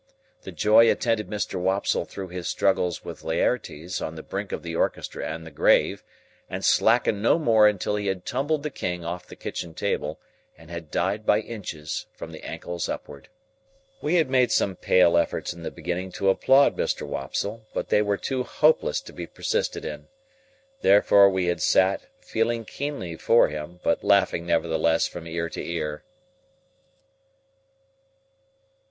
The joy attended Mr. Wopsle through his struggle with Laertes on the brink of the orchestra and the grave, and slackened no more until he had tumbled the king off the kitchen table, and had died by inches from the ankles upward. We had made some pale efforts in the beginning to applaud Mr. Wopsle; but they were too hopeless to be persisted in. Therefore we had sat, feeling keenly for him, but laughing, nevertheless, from ear to ear.